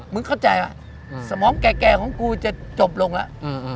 เข้าใจว่าสมองแก่ของกูจะจบลงแล้ว